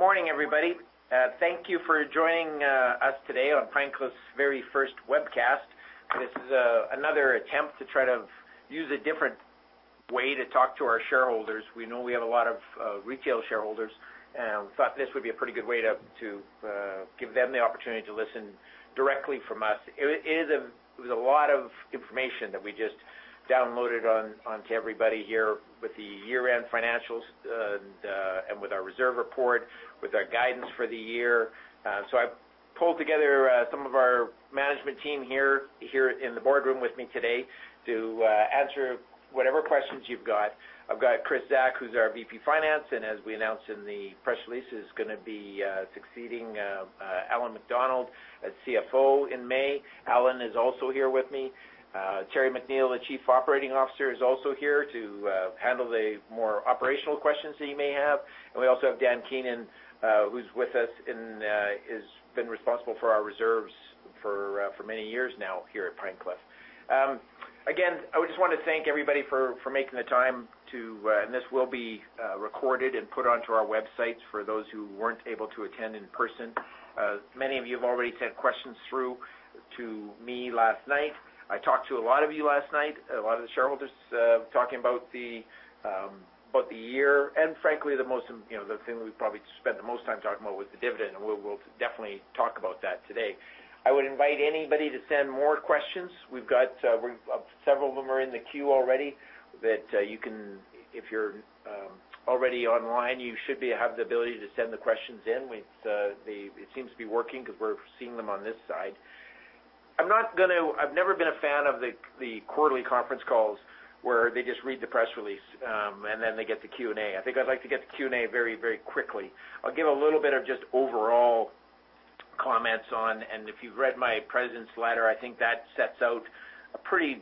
Good morning, everybody. Thank you for joining us today on Pine Cliff's very first webcast. This is another attempt to try to use a different way to talk to our shareholders. We know we have a lot of retail shareholders, and we thought this would be a pretty good way to give them the opportunity to listen directly from us. It, it is a. It was a lot of information that we just downloaded onto everybody here with the year-end financials, and with our reserve report, with our guidance for the year. So I pulled together some of our management team here in the boardroom with me today to answer whatever questions you've got. I've got Kris Zack, who's our VP Finance, and as we announced in the press release, he's gonna be succeeding Alan MacDonald as CFO in May. Alan is also here with me. Terry McNeill, the Chief Operating Officer, is also here to handle the more operational questions that you may have. And we also have Dan Keenan, who's with us and, he's been responsible for our reserves for many years now here at Pine Cliff. Again, I would just want to thank everybody for making the time to... And this will be recorded and put onto our websites for those who weren't able to attend in person. Many of you have already sent questions through to me last night. I talked to a lot of you last night, a lot of the shareholders, talking about the year, and frankly, the most, you know, the thing we probably spent the most time talking about was the dividend, and we'll definitely talk about that today. I would invite anybody to send more questions. We've got several of them in the queue already that you can, if you're already online, you should have the ability to send the questions in. It seems to be working because we're seeing them on this side. I'm not gonna. I've never been a fan of the quarterly conference calls where they just read the press release, and then they get the Q&A. I think I'd like to get the Q&A very, very quickly. I'll give a little bit of just overall comments on, and if you've read my President's letter, I think that sets out a pretty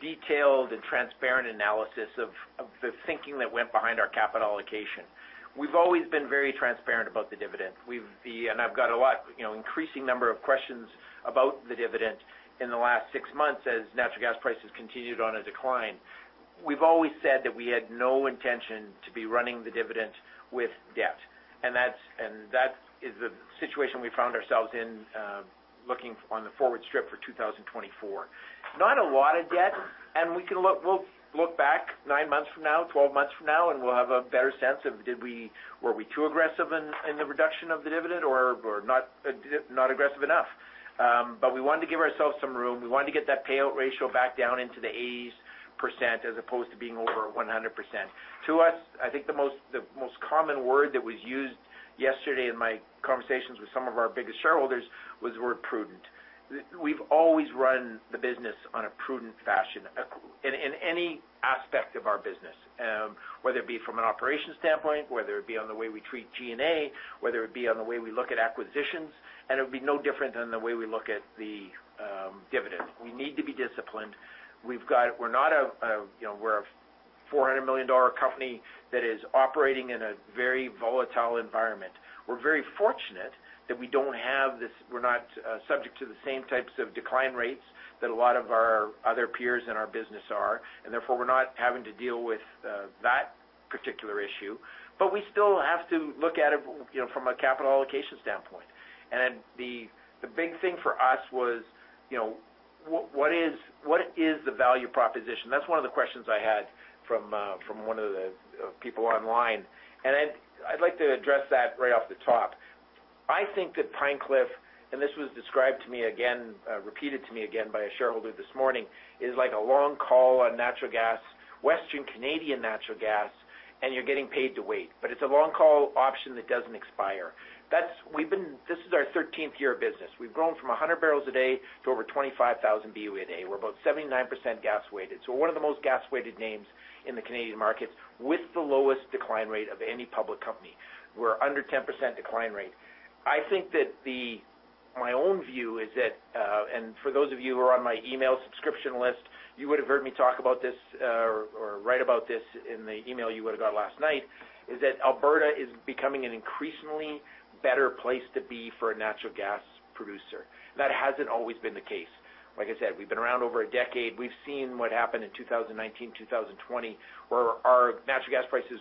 detailed and transparent analysis of the thinking that went behind our capital allocation. We've always been very transparent about the dividend. And I've got a lot, you know, increasing number of questions about the dividend in the last six months as natural gas prices continued on a decline. We've always said that we had no intention to be running the dividend with debt, and that's, and that is the situation we found ourselves in, looking on the forward strip for 2024. Not a lot of debt, and we can look - we'll look back 9 months from now, 12 months from now, and we'll have a better sense of, did we - were we too aggressive in, in the reduction of the dividend or, or not, not aggressive enough? But we wanted to give ourselves some room. We wanted to get that payout ratio back down into the eighties percent, as opposed to being over 100%. To us, I think the most, the most common word that was used yesterday in my conversations with some of our biggest shareholders was the word prudent. We've always run the business on a prudent fashion, in any aspect of our business, whether it be from an operation standpoint, whether it be on the way we treat G&A, whether it be on the way we look at acquisitions, and it would be no different than the way we look at the dividend. We need to be disciplined. We've got-- We're not a, you know, we're a 400 million dollar company that is operating in a very volatile environment. We're very fortunate that we don't have this-- we're not subject to the same types of decline rates that a lot of our other peers in our business are, and therefore, we're not having to deal with that particular issue. But we still have to look at it, you know, from a capital allocation standpoint. The big thing for us was, you know, what is the value proposition? That's one of the questions I had from one of the people online. I'd like to address that right off the top. I think that Pine Cliff, and this was described to me again, repeated to me again by a shareholder this morning, is like a long call on natural gas, Western Canadian natural gas, and you're getting paid to wait. But it's a long call option that doesn't expire. That's. We've been. This is our thirteenth year of business. We've grown from 100 barrels a day to over 25,000 BOE a day. We're about 79% gas weighted. So we're one of the most gas-weighted names in the Canadian market with the lowest decline rate of any public company. We're under 10% decline rate. I think that... My own view is that, and for those of you who are on my email subscription list, you would have heard me talk about this, or write about this in the email you would have got last night, is that Alberta is becoming an increasingly better place to be for a natural gas producer. That hasn't always been the case. Like I said, we've been around over a decade. We've seen what happened in 2019, 2020, where our natural gas prices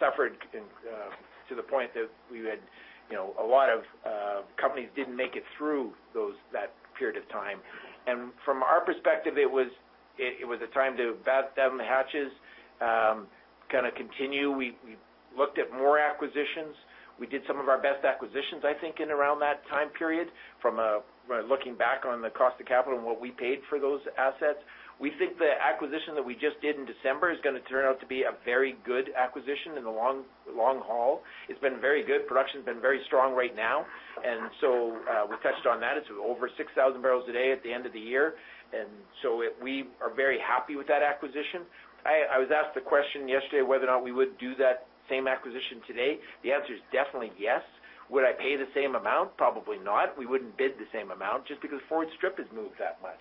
suffered to the point that we had, you know, a lot of companies didn't make it through those, that period of time. And from our perspective, it was a time to batten the hatches, kinda continue. We looked at more acquisitions. We did some of our best acquisitions, I think, in around that time period, from, looking back on the cost of capital and what we paid for those assets. We think the acquisition that we just did in December is gonna turn out to be a very good acquisition in the long, long haul. It's been very good. Production's been very strong right now, and so, we touched on that. It's over 6,000 barrels a day at the end of the year, and so, it. We are very happy with that acquisition. I, I was asked the question yesterday, whether or not we would do that same acquisition today. The answer is definitely yes. Would I pay the same amount? Probably not. We wouldn't bid the same amount just because forward strip has moved that much.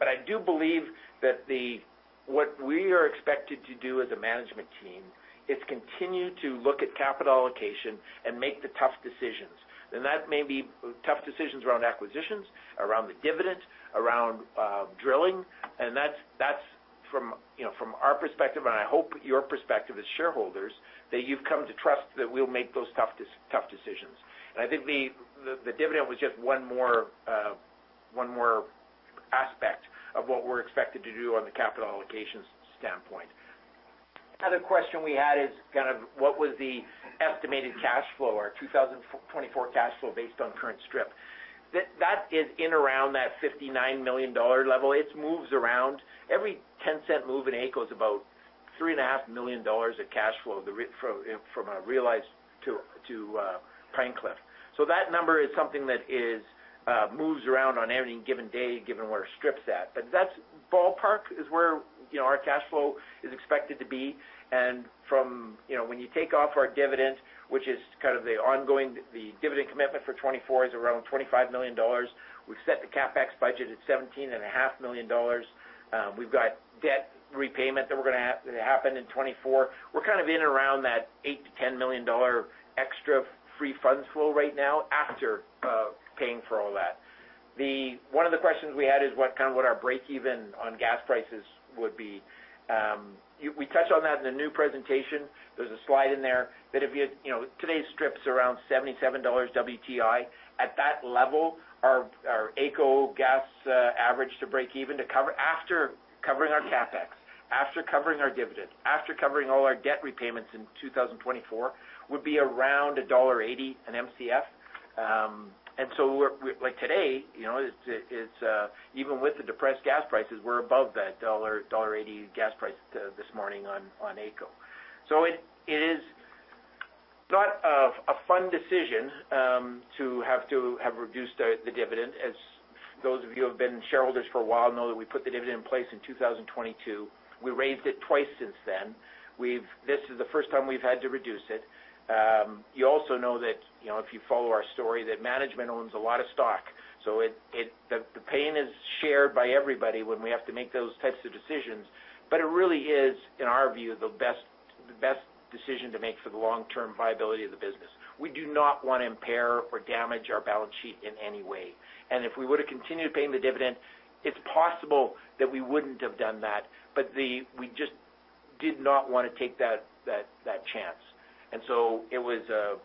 But I do believe that the what we are expected to do as a management team is continue to look at capital allocation and make the tough decisions. And that may be tough decisions around acquisitions, around the dividend, around drilling. And that's from, you know, from our perspective, and I hope your perspective as shareholders, that you've come to trust that we'll make those tough, tough decisions. And I think the dividend was just one more one more aspect of what we're expected to do on the capital allocations standpoint. Another question we had is kind of, what was the estimated cash flow, our 2024 cash flow based on current strip? That is in around that 59 million dollar level. It moves around. Every 0.10 move in AECO is about 3.5 million dollars of cash flow, the revenue from a realized to Pine Cliff. So that number is something that moves around on any given day, given where our strip's at. But that's ballpark where, you know, our cash flow is expected to be. And from... You know, when you take off our dividend, which is kind of the ongoing dividend commitment for 2024 is around 25 million dollars. We've set the CapEx budget at 17.5 million dollars. We've got debt repayment that we're gonna have that happened in 2024. We're kind of in around that 8 million-10 million dollar extra free funds flow right now after paying for all that. One of the questions we had is, what our break even on gas prices would be. We touch on that in the new presentation. There's a slide in there that if you, you know, today's strip's around $77 WTI. At that level, our AECO gas average to break even, to cover after covering our CapEx, after covering our dividends, after covering all our debt repayments in 2024, would be around dollar 1.80 an Mcf. And so we're like today, you know, it's even with the depressed gas prices, we're above that dollar 1.80 gas price this morning on AECO. So it is not a fun decision to have reduced the dividend, as those of you who have been shareholders for a while know that we put the dividend in place in 2022. We raised it twice since then. This is the first time we've had to reduce it. You also know that, you know, if you follow our story, that management owns a lot of stock, so the pain is shared by everybody when we have to make those types of decisions. But it really is, in our view, the best decision to make for the long-term viability of the business. We do not want to impair or damage our balance sheet in any way. And if we would have continued paying the dividend, it's possible that we wouldn't have done that, but we just did not want to take that chance. And so it was a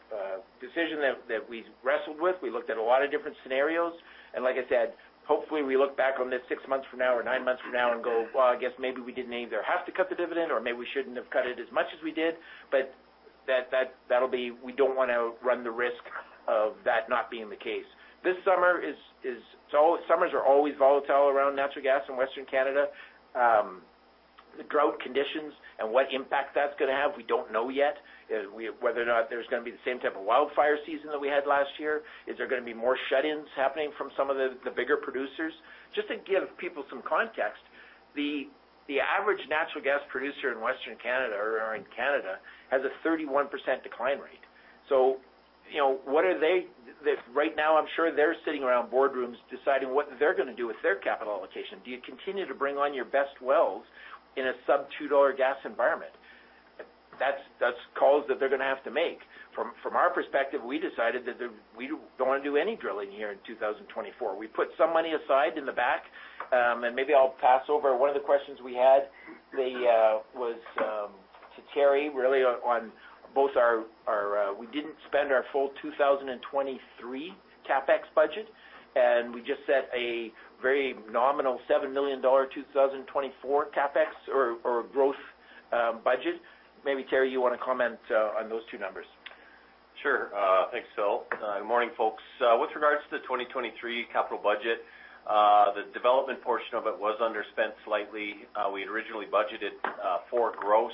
decision that we wrestled with. We looked at a lot of different scenarios, and like I said, hopefully, we look back on this 6 months from now or 9 months from now and go, "Well, I guess maybe we didn't either have to cut the dividend or maybe we shouldn't have cut it as much as we did." But that'll be. We don't want to run the risk of that not being the case. This summer is so summers are always volatile around natural gas in Western Canada. The drought conditions and what impact that's gonna have, we don't know yet. Whether or not there's gonna be the same type of wildfire season that we had last year. Is there gonna be more shut-ins happening from some of the bigger producers? Just to give people some context, the average natural gas producer in Western Canada or in Canada has a 31% decline rate. So, you know, what are they? Right now, I'm sure they're sitting around boardrooms deciding what they're gonna do with their capital allocation. Do you continue to bring on your best wells in a sub-$2 gas environment? That's, that's calls that they're gonna have to make. From our perspective, we decided that we don't want to do any drilling here in 2024. We put some money aside in the back, and maybe I'll pass over one of the questions we had. The... was to Terry, really on both our... We didn't spend our full 2023 CapEx budget, and we just set a very nominal 7 million dollars 2024 CapEx or growth budget. Maybe, Terry, you want to comment on those two numbers? Sure, thanks, Phil. Good morning, folks. With regards to the 2023 capital budget, the development portion of it was underspent slightly. We had originally budgeted four gross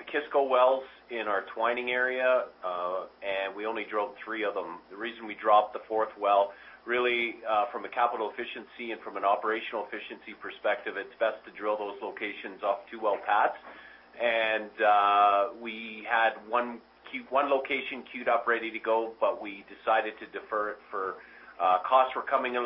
Pekisko wells in our Twining area, and we only drilled three of them. The reason we dropped the fourth well, really, from a capital efficiency and from an operational efficiency perspective, it's best to drill those locations off two well pads. And we had one location queued up, ready to go, but we decided to defer it, for costs were coming in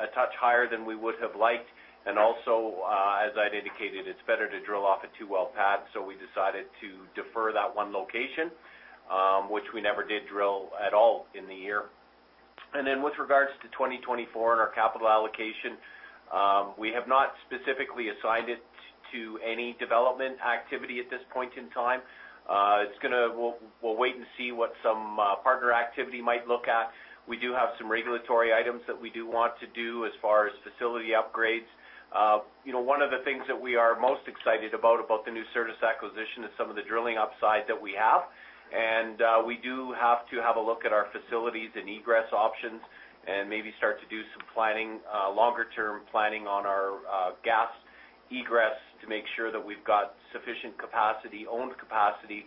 a touch higher than we would have liked. And also, as I'd indicated, it's better to drill off a two well pad, so we decided to defer that one location, which we never did drill at all in the year. Then with regards to 2024 and our capital allocation, we have not specifically assigned it to any development activity at this point in time. We'll wait and see what some partner activity might look at. We do have some regulatory items that we do want to do as far as facility upgrades. You know, one of the things that we are most excited about, about the new Certus acquisition is some of the drilling upside that we have. We do have to have a look at our facilities and egress options and maybe start to do some planning, longer-term planning on our gas egress to make sure that we've got sufficient capacity, owned capacity,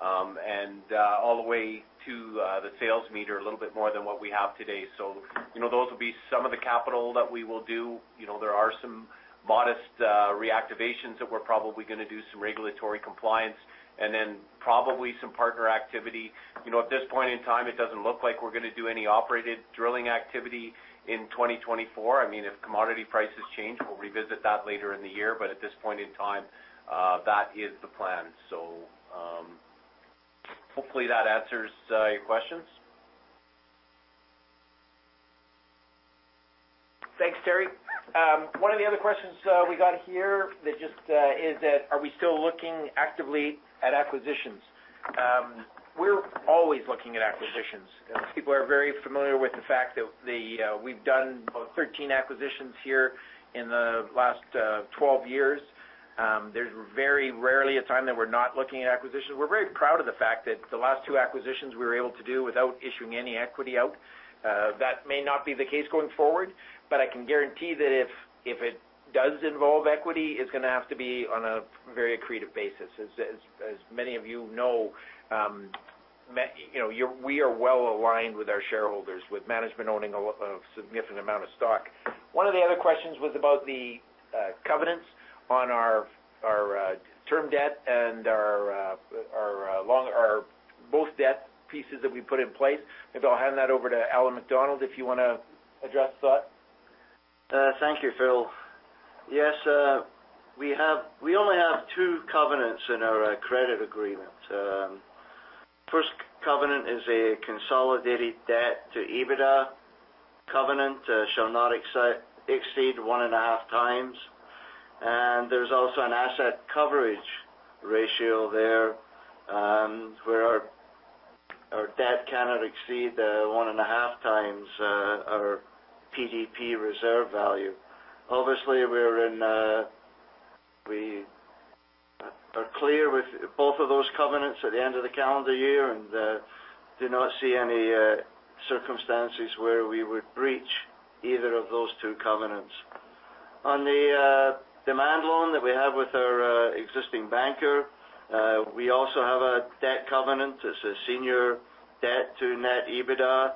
and all the way to the sales meter, a little bit more than what we have today. So, you know, those will be some of the capital that we will do. You know, there are some modest reactivations that we're probably gonna do, some regulatory compliance, and then probably some partner activity. You know, at this point in time, it doesn't look like we're gonna do any operated drilling activity in 2024. I mean, if commodity prices change, we'll revisit that later in the year. But at this point in time, that is the plan. So, hopefully, that answers your questions.... Thanks, Terry. One of the other questions we got here that just is that are we still looking actively at acquisitions? We're always looking at acquisitions. People are very familiar with the fact that we've done about 13 acquisitions here in the last 12 years. There's very rarely a time that we're not looking at acquisitions. We're very proud of the fact that the last 2 acquisitions we were able to do without issuing any equity out. That may not be the case going forward, but I can guarantee that if it does involve equity, it's going to have to be on a very accretive basis. As many of you know, you know, we are well aligned with our shareholders, with management owning a significant amount of stock. One of the other questions was about the covenants on our term debt and our both debt pieces that we put in place. Maybe I'll hand that over to Alan MacDonald, if you want to address that. Thank you, Phil. Yes, we only have two covenants in our credit agreement. First covenant is a consolidated debt to EBITDA covenant shall not exceed 1.5 times. And there's also an asset coverage ratio there, where our debt cannot exceed 1.5 times our PDP reserve value. Obviously, we're in... we are clear with both of those covenants at the end of the calendar year and do not see any circumstances where we would breach either of those two covenants. On the demand loan that we have with our existing banker, we also have a debt covenant. It's a senior debt to net EBITDA.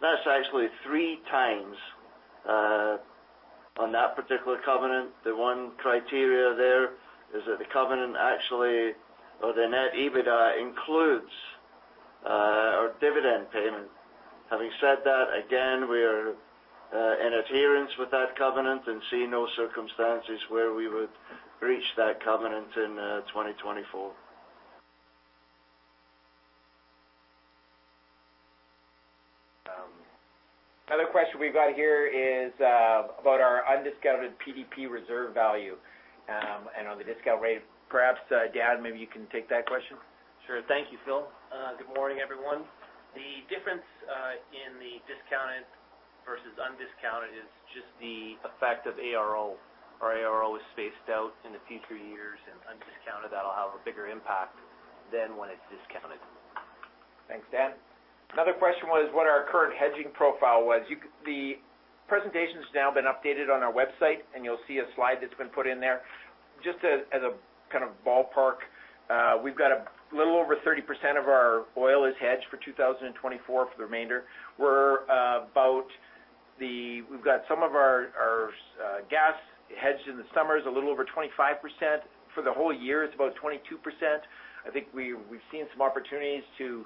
That's actually 3 times on that particular covenant. The one criterion there is that the covenant actually, or the net EBITDA, includes our dividend payment. Having said that, again, we are in adherence with that covenant and see no circumstances where we would breach that covenant in 2024. Another question we've got here is about our undiscounted PDP reserve value and on the discount rate. Perhaps, Dan, maybe you can take that question. Sure. Thank you, Phil. Good morning, everyone. The difference in the discounted versus undiscounted is just the effect of ARO. Our ARO is spaced out in the future years, and undiscounted, that'll have a bigger impact than when it's discounted. Thanks, Dan. Another question was what our current hedging profile was. You can see the presentation has now been updated on our website, and you'll see a slide that's been put in there. Just as a kind of ballpark, we've got a little over 30% of our oil is hedged for 2024 for the remainder. We've got some of our gas hedged in the summers, a little over 25%. For the whole year, it's about 22%. I think we've seen some opportunities to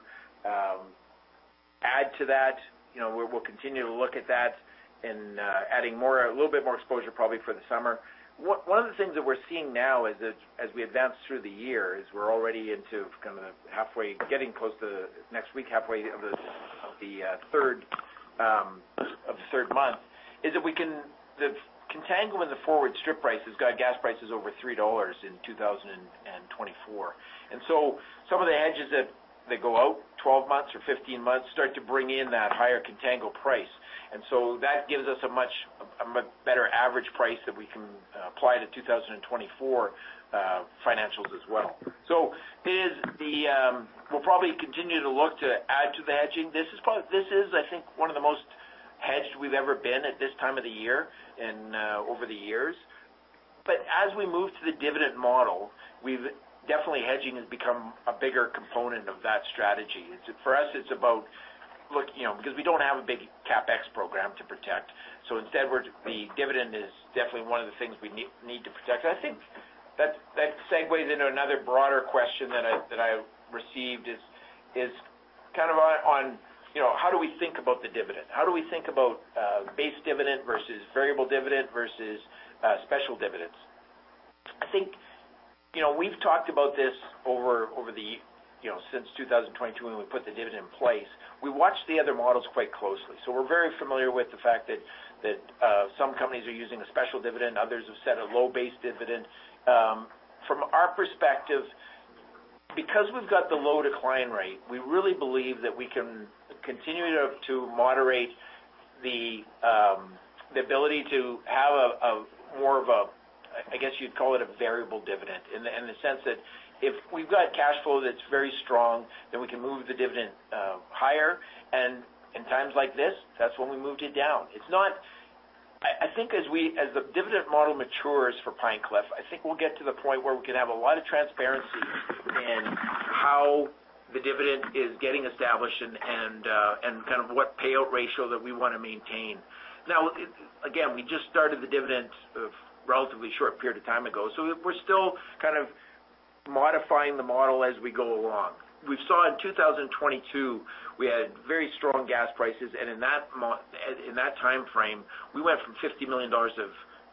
add to that. You know, we'll continue to look at that and adding more, a little bit more exposure, probably for the summer. One of the things that we're seeing now is that as we advance through the year, we're already into kind of halfway, getting close to next week, halfway of the third month, is that the contango in the forward strip price has got gas prices over $3 in 2024. And so some of the hedges that go out 12 months or 15 months start to bring in that higher contango price. And so that gives us a much better average price that we can apply to 2024 financials as well. So we'll probably continue to look to add to the hedging. This is, I think, one of the most hedged we've ever been at this time of the year and over the years. But as we move to the dividend model, we've definitely hedging has become a bigger component of that strategy. For us, it's about, look, you know, because we don't have a big CapEx program to protect, so instead, we're the dividend is definitely one of the things we need to protect. I think that segues into another broader question that I received is kind of on, you know, how do we think about the dividend? How do we think about base dividend versus variable dividend versus special dividends? I think, you know, we've talked about this over the, you know, since 2022, when we put the dividend in place. We watched the other models quite closely, so we're very familiar with the fact that some companies are using a special dividend, others have set a low base dividend. From our perspective, because we've got the low decline rate, we really believe that we can continue to moderate the ability to have a more of a, I guess you'd call it, a variable dividend. In the sense that if we've got cash flow that's very strong, then we can move the dividend higher, and in times like this, that's when we moved it down. It's not—I think as the dividend model matures for Pine Cliff, I think we'll get to the point where we can have a lot of transparency in how the dividend is getting established and kind of what payout ratio that we want to maintain. Now, again, we just started the dividend a relatively short period of time ago, so we're still kind of modifying the model as we go along. We saw in 2022, we had very strong gas prices, and in that time frame, we went from 50 million dollars of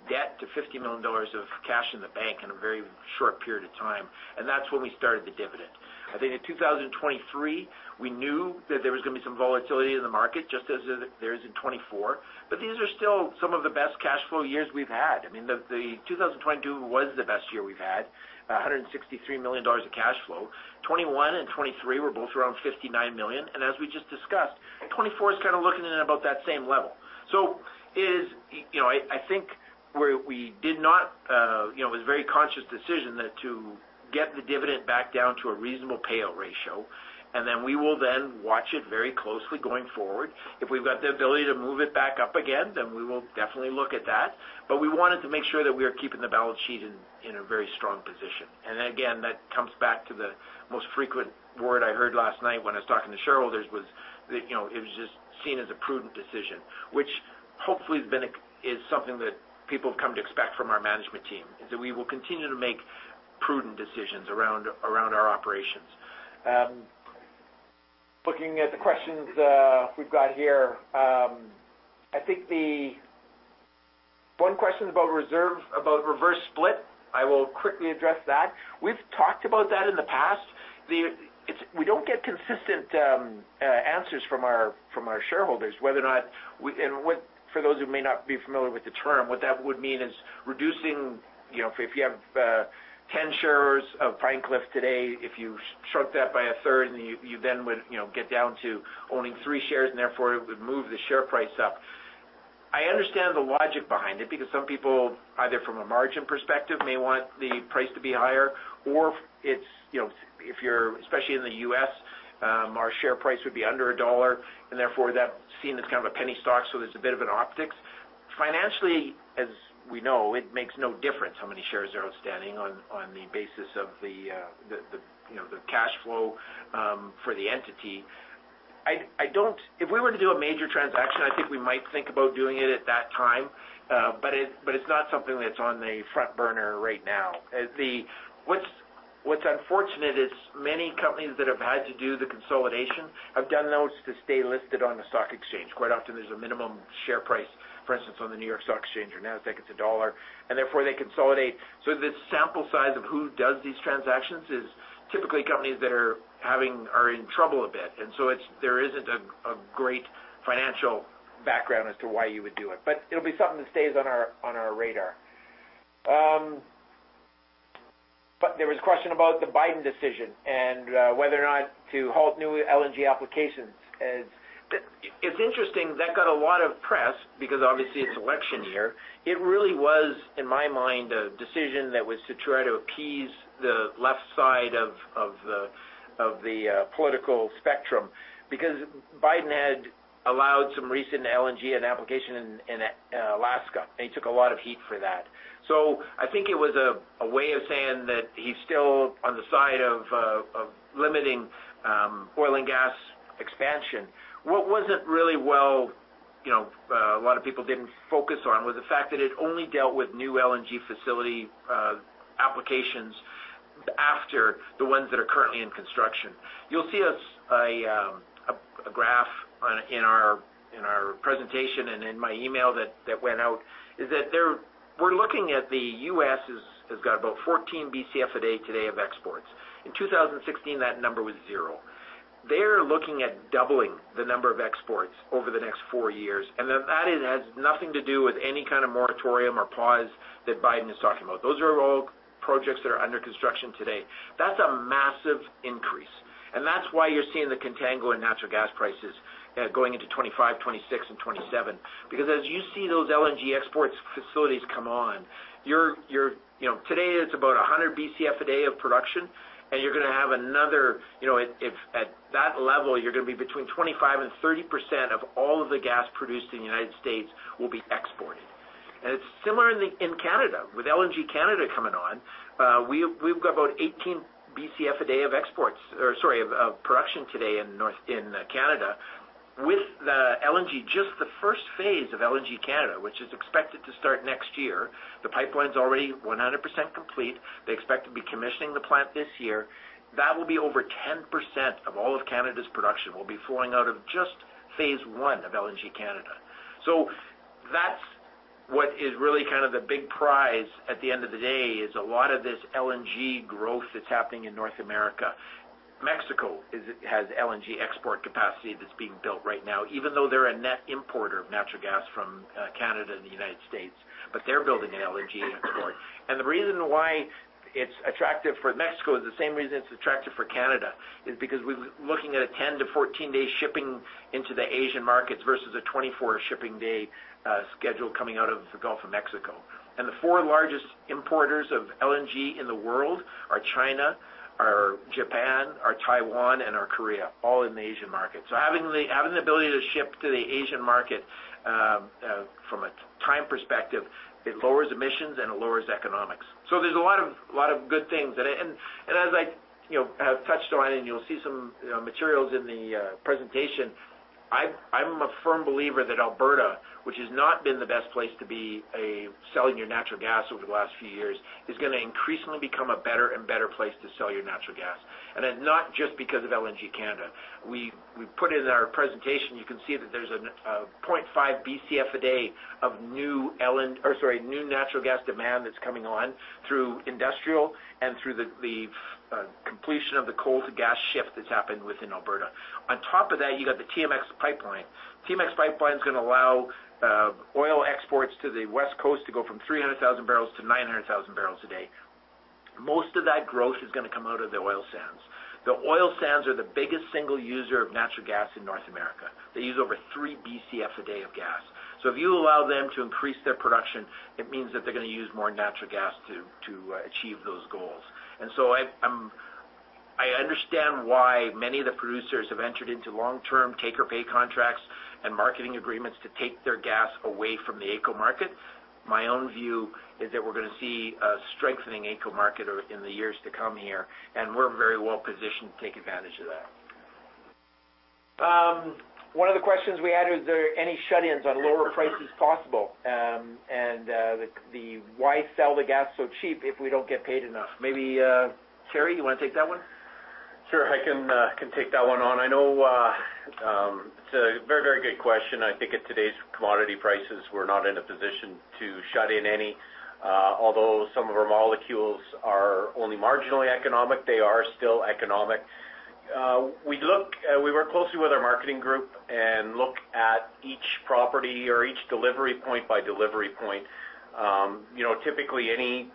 debt to 50 million dollars of cash in the bank in a very short period of time, and that's when we started the dividend. I think in 2023, we knew that there was gonna be some volatility in the market, just as there is in '2024. But these are still some of the best cash flow years we've had. I mean, the 2022 was the best year we've had, 163 million dollars of cash flow. '2021 and '2023 were both around 59 million, and as we just discussed, '2024 is kind of looking at about that same level. So, you know, I think where we did not, you know, it was a very conscious decision that to get the dividend back down to a reasonable payout ratio, and then we will then watch it very closely going forward. If we've got the ability to move it back up again, then we will definitely look at that. But we wanted to make sure that we are keeping the balance sheet in a very strong position. And again, that comes back to the most frequent word I heard last night when I was talking to shareholders, was that, you know, it was just seen as a prudent decision, which hopefully is something that people have come to expect from our management team, is that we will continue to make prudent decisions around our operations. Looking at the questions we've got here, I think the one question is about reverse split. I will quickly address that. We've talked about that in the past. We don't get consistent answers from our shareholders, whether or not. For those who may not be familiar with the term, what that would mean is reducing, you know, if you have 10 shares of Pine Cliff today, if you shrunk that by a third, you then would, you know, get down to owning three shares, and therefore, it would move the share price up. I understand the logic behind it, because some people, either from a margin perspective, may want the price to be higher, or it's, you know, if you're... Especially in the U.S., our share price would be under $1, and therefore, that's seen as kind of a penny stock, so there's a bit of an optics. Financially, as we know, it makes no difference how many shares are outstanding on the basis of, you know, the cash flow for the entity. I don't. If we were to do a major transaction, I think we might think about doing it at that time, but it's not something that's on the front burner right now. What's unfortunate is many companies that have had to do the consolidation have done those to stay listed on the stock exchange. Quite often, there's a minimum share price. For instance, on the New York Stock Exchange or NASDAQ, it's $1, and therefore, they consolidate. So the sample size of who does these transactions is typically companies that are in trouble a bit, and so it's there isn't a great financial background as to why you would do it, but it'll be something that stays on our radar. But there was a question about the Biden decision and whether or not to halt new LNG applications. And it, it's interesting, that got a lot of press because obviously, it's an election year. It really was, in my mind, a decision that was to try to appease the left side of the political spectrum, because Biden had allowed some recent LNG application in Alaska. He took a lot of heat for that. So I think it was a way of saying that he's still on the side of limiting oil and gas expansion. What wasn't really well, a lot of people didn't focus on, was the fact that it only dealt with new LNG facility applications after the ones that are currently in construction. You'll see a graph on in our presentation and in my email that went out, is that there we're looking at the U.S. has got about 14 Bcf a day today of exports. In 2016, that number was 0. They're looking at doubling the number of exports over the next 4 years, and that has nothing to do with any kind of moratorium or pause that Biden is talking about. Those are all projects that are under construction today. That's a massive increase, and that's why you're seeing the contango in natural gas prices, going into 2025, 2026, and 2027. Because as you see those LNG exports facilities come on, you're you know, today, it's about 100 Bcf a day of production, and you're gonna have another. You know, if at that level, you're gonna be between 25%-30% of all of the gas produced in the United States will be exported. And it's similar in Canada, with LNG Canada coming on. We’ve got about 18 Bcf a day of exports, or sorry, of production today in Canada. With the LNG, just the first phase of LNG Canada, which is expected to start next year, the pipeline's already 100% complete. They expect to be commissioning the plant this year. That will be over 10% of all of Canada's production will be flowing out of just phase one of LNG Canada. So that's what is really kind of the big prize at the end of the day, is a lot of this LNG growth that's happening in North America. Mexico has LNG export capacity that's being built right now, even though they're a net importer of natural gas from Canada and the United States, but they're building an LNG port. The reason why it's attractive for Mexico is the same reason it's attractive for Canada, is because we're looking at a 10-14-day shipping into the Asian markets versus a 24-day schedule coming out of the Gulf of Mexico. The four largest importers of LNG in the world are China, Japan, Taiwan, and Korea, all in the Asian market. So having the ability to ship to the Asian market, from a time perspective, it lowers emissions, and it lowers economics. So there's a lot of good things. And as I, you know, have touched on, and you'll see some materials in the presentation, I'm a firm believer that Alberta, which has not been the best place to be, selling your natural gas over the last few years, is gonna increasingly become a better and better place to sell your natural gas, and not just because of LNG Canada. We put it in our presentation. You can see that there's an 0.5 Bcf a day of new natural gas demand that's coming on through industrial and through the completion of the coal to gas shift that's happened within Alberta. On top of that, you got the TMX pipeline. TMX pipeline is gonna allow oil exports to the West Coast to go from 300,000-900,000 barrels a day. Most of that growth is gonna come out of the oil sands. The oil sands are the biggest single user of natural gas in North America. They use over 3 Bcf a day of gas. So if you allow them to increase their production, it means that they're gonna use more natural gas to achieve those goals. And so I understand why many of the producers have entered into long-term take-or-pay contracts and marketing agreements to take their gas away from the AECO market. My own view is that we're gonna see a strengthening AECO market over in the years to come here, and we're very well positioned to take advantage of that. One of the questions we had is there any shut-ins on lower prices possible? And why sell the gas so cheap if we don't get paid enough? Maybe, Terry, you wanna take that one? Sure, I can can take that one on. I know, it's a very, very good question. I think at today's commodity prices, we're not in a position to shut in any. Although some of our molecules are only marginally economic, they are still economic. We work closely with our marketing group and look at each property or each delivery point by delivery point. You know, typically any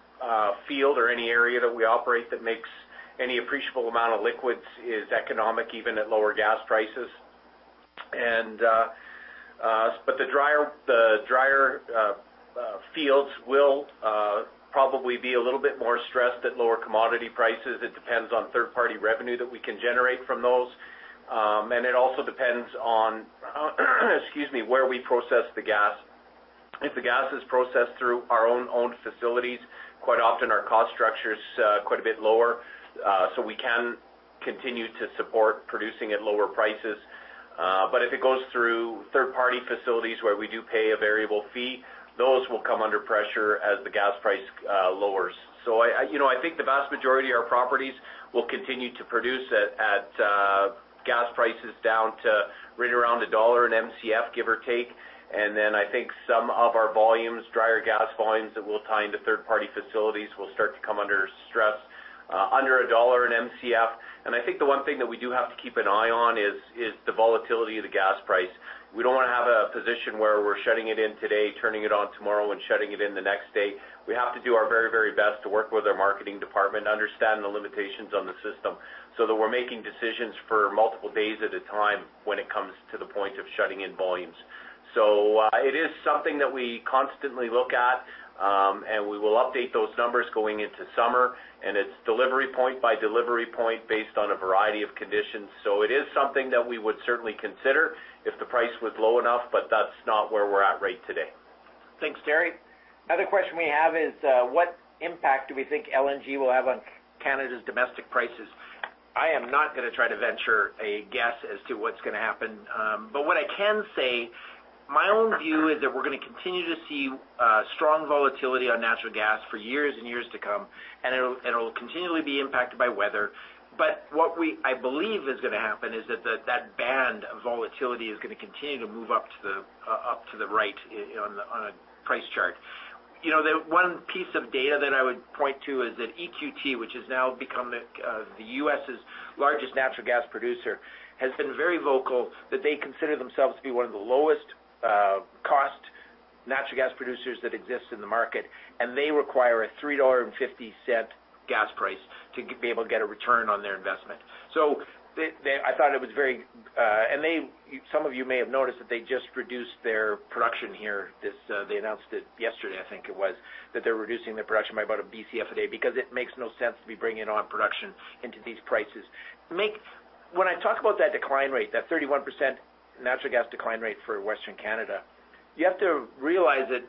field or any area that we operate that makes any appreciable amount of liquids is economic, even at lower gas prices. But the drier fields will probably be a little bit more stressed at lower commodity prices. It depends on third-party revenue that we can generate from those. And it also depends on, excuse me, where we process the gas. If the gas is processed through our own owned facilities, quite often our cost structure is quite a bit lower, so we can continue to support producing at lower prices. But if it goes through third-party facilities where we do pay a variable fee, those will come under pressure as the gas price lowers. So I, you know, I think the vast majority of our properties will continue to produce at gas prices down to right around CAD 1/Mcf, give or take. And then I think some of our volumes, drier gas volumes, that will tie into third-party facilities, will start to come under stress under CAD 1/Mcf. And I think the one thing that we do have to keep an eye on is the volatility of the gas price. We don't wanna have a position where we're shutting it in today, turning it on tomorrow, and shutting it in the next day. We have to do our very, very best to work with our marketing department to understand the limitations on the system, so that we're making decisions for multiple days at a time when it comes to the point of shutting in volumes. So, it is something that we constantly look at, and we will update those numbers going into summer, and it's delivery point by delivery point based on a variety of conditions. So it is something that we would certainly consider if the price was low enough, but that's not where we're at right today. Thanks, Terry. Another question we have is, what impact do we think LNG will have on Canada's domestic prices? I am not gonna try to venture a guess as to what's gonna happen, but what I can say, my own view is that we're gonna continue to see strong volatility on natural gas for years and years to come, and it'll continually be impacted by weather. But what I believe is gonna happen is that band of volatility is gonna continue to move up and to the right on a price chart. You know, the one piece of data that I would point to is that EQT, which has now become the U.S.'s largest natural gas producer, has been very vocal that they consider themselves to be one of the lowest cost natural gas producers that exist in the market, and they require a $3.50 gas price to be able to get a return on their investment. So they, they—I thought it was very... And they, some of you may have noticed that they just reduced their production here. This, they announced it yesterday, I think it was, that they're reducing their production by about a Bcf a day, because it makes no sense to be bringing on production into these prices. When I talk about that decline rate, that 31% natural gas decline rate for Western Canada, you have to realize that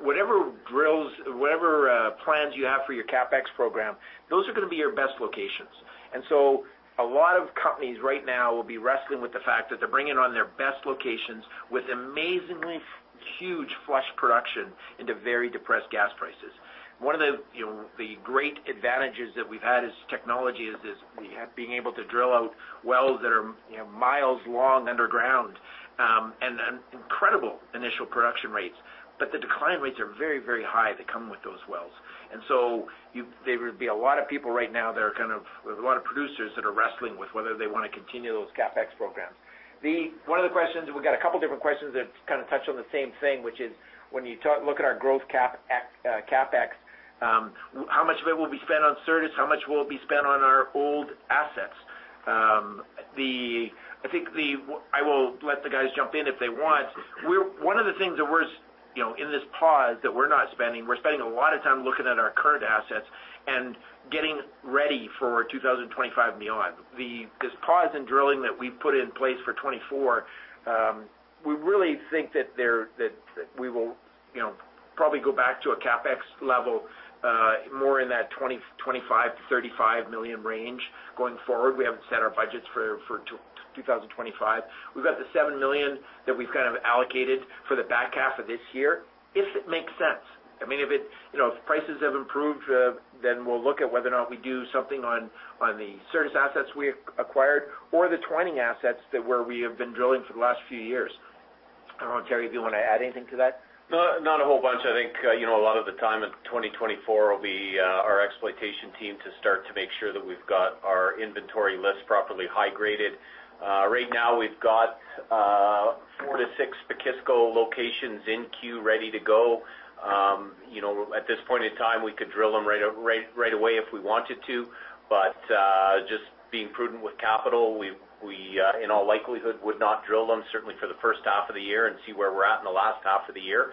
whatever drills, whatever, plans you have for your CapEx program, those are gonna be your best locations. And so a lot of companies right now will be wrestling with the fact that they're bringing on their best locations with amazingly huge flush production into very depressed gas prices. One of the, you know, the great advantages that we've had is technology, is, is we have being able to drill out wells that are, you know, miles long underground, and, and incredible initial production rates. But the decline rates are very, very high, they come with those wells. And so, there would be a lot of people right now that are kind of, a lot of producers that are wrestling with whether they want to continue those CapEx programs. One of the questions, and we've got a couple different questions that kind of touch on the same thing, which is when you look at our growth CapEx, CapEx, how much of it will be spent on Certus? How much will it be spent on our old assets? I think I will let the guys jump in if they want. One of the things that we're, you know, in this pause, that we're not spending, we're spending a lot of time looking at our current assets and getting ready for 2025 and beyond. This pause in drilling that we've put in place for 2024, we really think that we will, you know, probably go back to a CapEx level more in that 25-35 million range going forward. We haven't set our budgets for 2025. We've got the 7 million that we've kind of allocated for the back half of this year, if it makes sense. I mean, if it, you know, if prices have improved, then we'll look at whether or not we do something on the Certus assets we acquired or the Twining assets that where we have been drilling for the last few years. I don't know, Terry, do you want to add anything to that? No, not a whole bunch. I think, you know, a lot of the time in 2024 will be, our exploitation team to start to make sure that we've got our inventory list properly high graded. Right now, we've got, 4-6 Pekisko locations in queue ready to go. You know, at this point in time, we could drill them right away if we wanted to. But, just being prudent with capital, we in all likelihood, would not drill them certainly for the first half of the year and see where we're at in the last half of the year.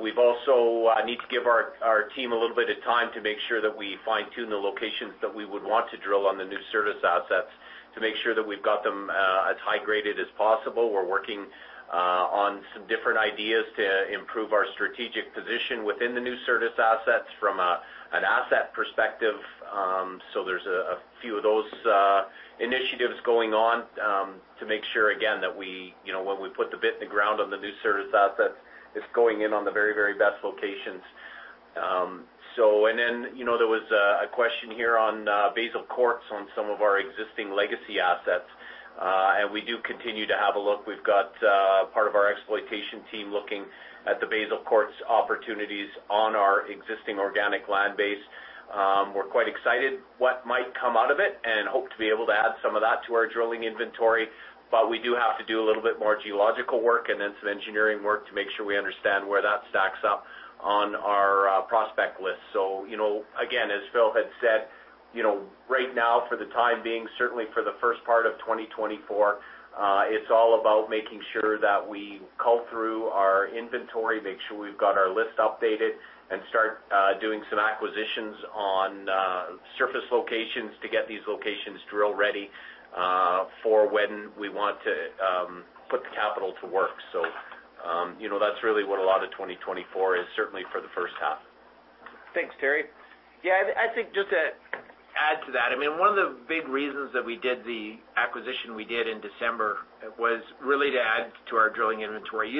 We've also, I need to give our team a little bit of time to make sure that we fine-tune the locations that we would want to drill on the new Certus assets to make sure that we've got them as high graded as possible. We're working on some different ideas to improve our strategic position within the new Certus assets from an asset perspective. So there's a few of those initiatives going on to make sure, again, that we, you know, when we put the bit in the ground on the new Certus assets, it's going in on the very, very best locations. So and then, you know, there was a question here on Basal Quartz on some of our existing legacy assets. And we do continue to have a look. We've got part of our exploitation team looking at the Basal Quartz opportunities on our existing organic land base. We're quite excited what might come out of it and hope to be able to add some of that to our drilling inventory. But we do have to do a little bit more geological work and then some engineering work to make sure we understand where that stacks up on our prospect list. So, you know, again, as Phil had said, you know, right now, for the time being, certainly for the first part of 2024, it's all about making sure that we comb through our inventory, make sure we've got our list updated, and start doing some acquisitions on surface locations to get these locations drill ready for when we want to put the capital to work. You know, that's really what a lot of 2024 is, certainly for the first half. Thanks, Terry. Yeah, I think just to add to that, I mean, one of the big reasons that we did the acquisition we did in December was really to add to our drilling inventory.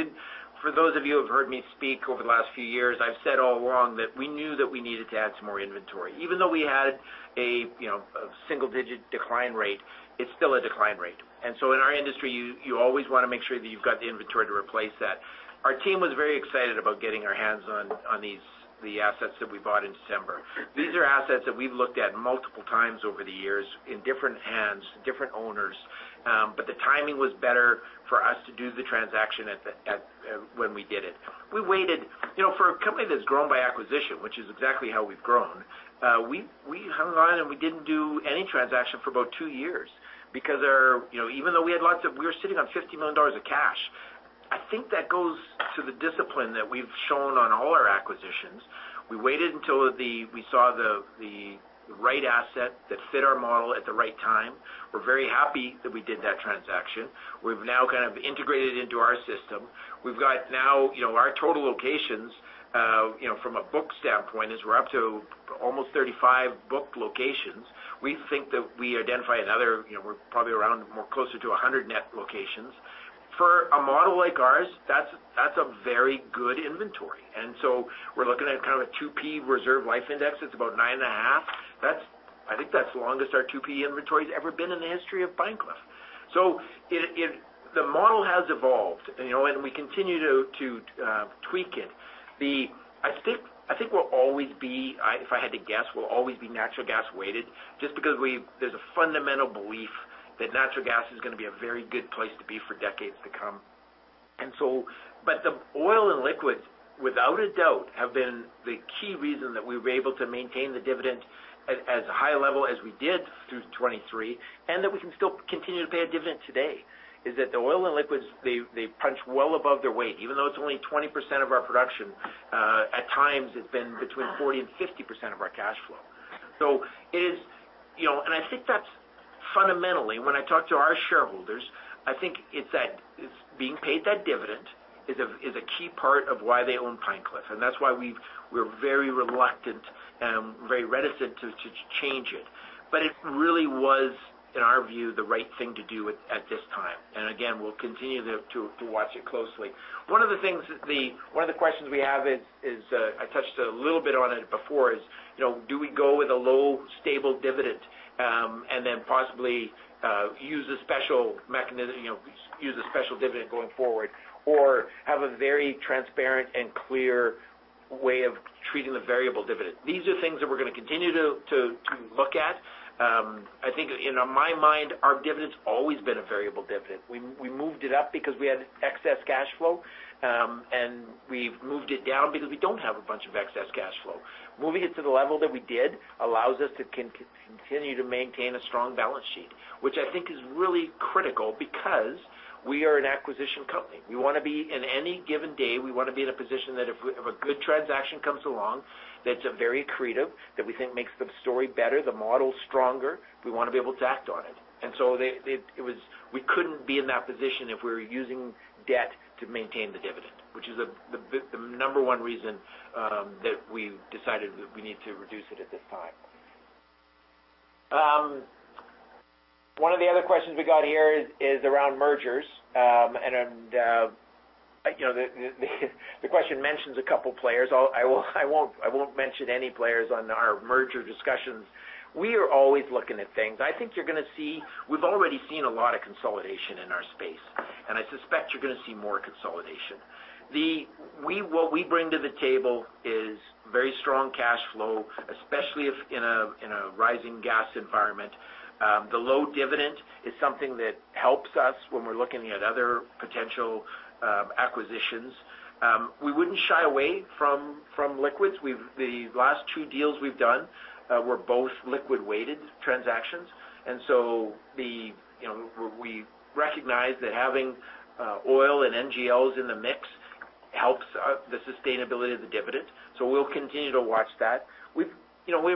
For those of you who have heard me speak over the last few years, I've said all along that we knew that we needed to add some more inventory. Even though we had a, you know, single-digit decline rate, it's still a decline rate. And so in our industry, you always want to make sure that you've got the inventory to replace that. Our team was very excited about getting our hands on these, the assets that we bought in December. These are assets that we've looked at multiple times over the years in different hands, different owners, but the timing was better for us to do the transaction at the when we did it. We waited... You know, for a company that's grown by acquisition, which is exactly how we've grown, we hung on, and we didn't do any transaction for about two years. Because there, you know, even though we were sitting on 50 million dollars of cash, I think that goes to the discipline that we've shown on all our acquisitions. We waited until we saw the right asset that fit our model at the right time. We're very happy that we did that transaction. We've now kind of integrated it into our system. We've got now, you know, our total locations, you know, from a book standpoint, is we're up to almost 35 booked locations. We think that we identify another, you know, we're probably around more closer to 100 net locations. For a model like ours, that's, that's a very good inventory. And so we're looking at kind of a 2P reserve life index. It's about 9.5. That's- I think that's the longest our 2P inventory has ever been in the history of Pine Cliff. So it, it-- the model has evolved, you know, and we continue to, to, tweak it. The- I think, I think we'll always be, I- if I had to guess, we'll always be natural gas weighted, just because we-- there's a fundamental belief that natural gas is going to be a very good place to be for decades to come. the oil and liquids, without a doubt, have been the key reason that we were able to maintain the dividend at as high a level as we did through 2023, and that we can still continue to pay a dividend today, is that the oil and liquids, they punch well above their weight. Even though it's only 20% of our production, at times, it's been between 40%-50% of our cash flow. So it is, you know, and I think that's fundamentally, when I talk to our shareholders, I think it's that, it's being paid that dividend is a key part of why they own Pine Cliff, and that's why we've- we're very reluctant, very reticent to change it. But it really was, in our view, the right thing to do at this time. Again, we'll continue to watch it closely. One of the things, the one of the questions we have is I touched a little bit on it before, is, you know, do we go with a low, stable dividend, and then possibly use a special mechanism, you know, use a special dividend going forward, or have a very transparent and clear way of treating the variable dividend? These are things that we're going to continue to look at. I think, in my mind, our dividend's always been a variable dividend. We moved it up because we had excess cash flow, and we've moved it down because we don't have a bunch of excess cash flow. Moving it to the level that we did allows us to continue to maintain a strong balance sheet, which I think is really critical because we are an acquisition company. We want to be, in any given day, we want to be in a position that if a good transaction comes along, that's very accretive, that we think makes the story better, the model stronger, we want to be able to act on it. And so it was we couldn't be in that position if we were using debt to maintain the dividend, which is the number one reason that we've decided that we need to reduce it at this time. One of the other questions we got here is around mergers. And you know, the question mentions a couple players. I won't mention any players on our merger discussions. We are always looking at things. I think you're gonna see—we've already seen a lot of consolidation in our space, and I suspect you're gonna see more consolidation. What we bring to the table is very strong cash flow, especially if in a rising gas environment. The low dividend is something that helps us when we're looking at other potential acquisitions. We wouldn't shy away from liquids. The last two deals we've done were both liquid-weighted transactions, and so you know, we recognize that having oil and NGLs in the mix helps the sustainability of the dividend. So we'll continue to watch that. We've, you know, we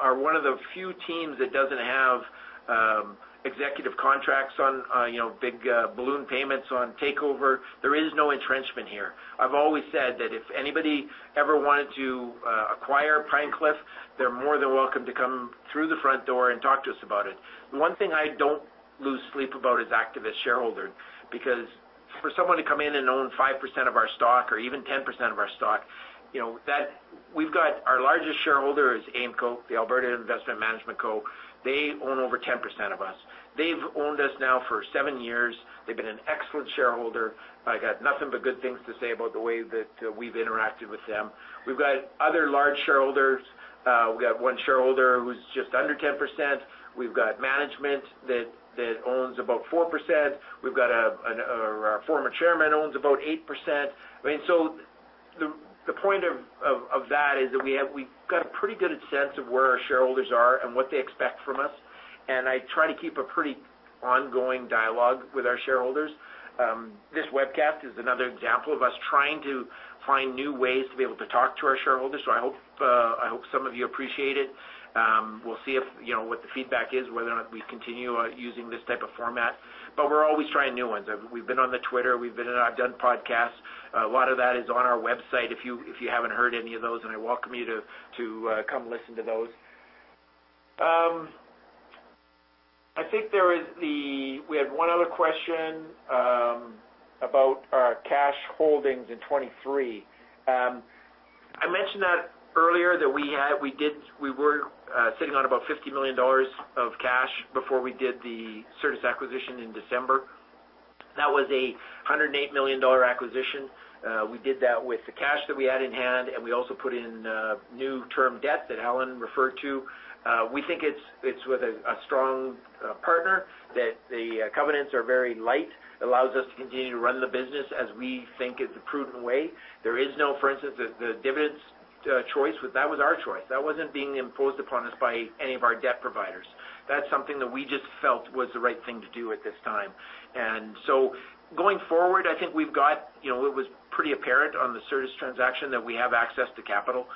are one of the few teams that doesn't have, executive contracts on, you know, big, balloon payments on takeover. There is no entrenchment here. I've always said that if anybody ever wanted to acquire Pine Cliff, they're more than welcome to come through the front door and talk to us about it. One thing I don't lose sleep about is activist shareholder, because for someone to come in and own 5% of our stock or even 10% of our stock, you know, that we've got our largest shareholder is AIMCo, the Alberta Investment Management Co. They own over 10% of us. They've owned us now for 7 years. They've been an excellent shareholder. I got nothing but good things to say about the way that we've interacted with them. We've got other large shareholders. We've got one shareholder who's just under 10%. We've got management that owns about 4%. We've got a, an-- Our former chairman owns about 8%. I mean, so the point of that is that we have-- we've got a pretty good sense of where our shareholders are and what they expect from us, and I try to keep a pretty ongoing dialogue with our shareholders. This webcast is another example of us trying to find new ways to be able to talk to our shareholders, so I hope, I hope some of you appreciate it. We'll see if, you know, what the feedback is, whether or not we continue using this type of format, but we're always trying new ones. We've been on the Twitter, we've been in-- I've done podcasts. A lot of that is on our website, if you, if you haven't heard any of those, and I welcome you to, to, come listen to those. I think there is the. We had one other question, about our cash holdings in 2023. I mentioned that earlier, that we were sitting on about 50 million dollars of cash before we did the Certus acquisition in December. That was a 108 million dollar acquisition. We did that with the cash that we had in hand, and we also put in new term debt that Alan referred to. We think it's, it's with a, a strong partner, that the covenants are very light. It allows us to continue to run the business as we think is the prudent way. There is no, for instance, the dividends choice, but that was our choice. That wasn't being imposed upon us by any of our debt providers. That's something that we just felt was the right thing to do at this time. And so, going forward, I think we've got... You know, it was pretty apparent on the Certus transaction that we have access to capital.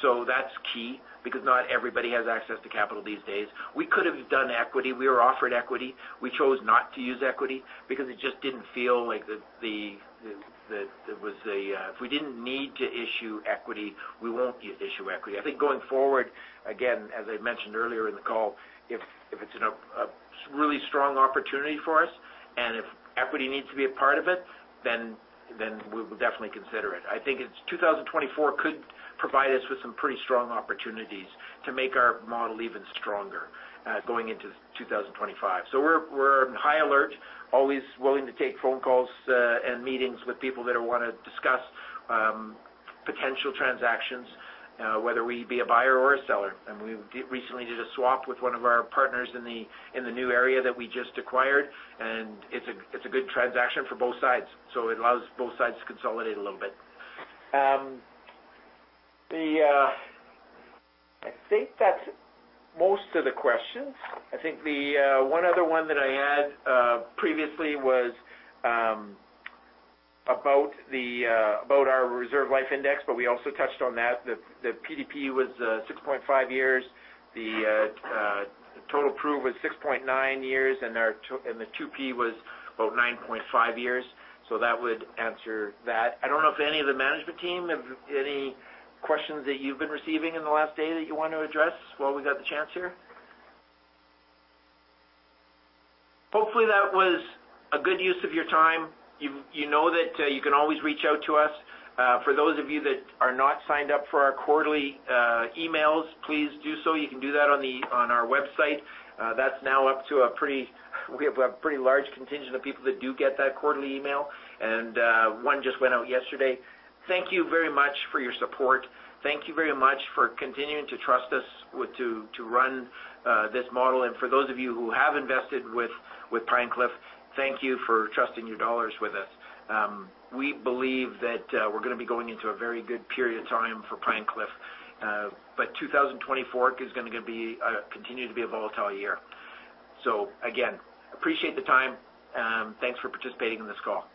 So that's key, because not everybody has access to capital these days. We could have done equity. We were offered equity. We chose not to use equity because it just didn't feel like the there was a. If we didn't need to issue equity, we won't issue equity. I think going forward, again, as I mentioned earlier in the call, if it's you know a really strong opportunity for us and if equity needs to be a part of it, then we will definitely consider it. I think 2024 could provide us with some pretty strong opportunities to make our model even stronger going into 2025. So we're on high alert, always willing to take phone calls and meetings with people that want to discuss potential transactions whether we be a buyer or a seller. And we recently did a swap with one of our partners in the new area that we just acquired, and it's a good transaction for both sides, so it allows both sides to consolidate a little bit. I think that's most of the questions. I think the one other one that I had previously was about our reserve life index, but we also touched on that. The PDP was 6.5 years, the total proved was 6.9 years, and the 2P was about 9.5 years. So that would answer that. I don't know if any of the management team have any questions that you've been receiving in the last day that you want to address while we've got the chance here? Hopefully, that was a good use of your time. You know that you can always reach out to us. For those of you that are not signed up for our quarterly emails, please do so. You can do that on our website. That's now up to a pretty... We have a pretty large contingent of people that do get that quarterly email, and one just went out yesterday. Thank you very much for your support. Thank you very much for continuing to trust us with to run this model. And for those of you who have invested with Pine Cliff, thank you for trusting your dollars with us. We believe that we're gonna be going into a very good period of time for Pine Cliff. But 2024 is gonna continue to be a volatile year. So again, appreciate the time, and thanks for participating in this call.